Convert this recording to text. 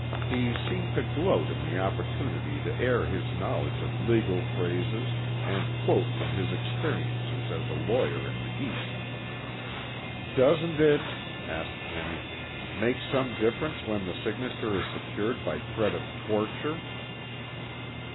He seemed to gloat in the opportunity to air his knowledge of legal phrases and quote from his experiences as a lawyer in the East. "Doesn't it," asked Penny, "make some difference when the signature is secured by threat of torture?"